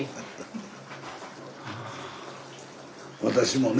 私もね